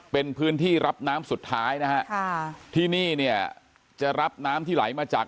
เป็นพื้นที่รับน้ำสุดท้ายนะฮะค่ะที่นี่เนี่ยจะรับน้ำที่ไหลมาจาก